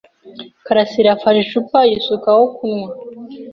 Karasirayafashe icupa yisukaho kunywa.